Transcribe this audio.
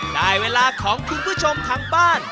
ได้เวลาของคุณผู้ชมทางบ้าน